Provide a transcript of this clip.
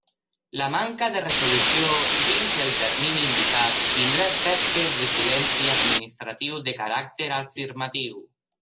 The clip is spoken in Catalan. La manca de resolució dins el termini indicat tindrà efectes de silenci administratiu de caràcter afirmatiu.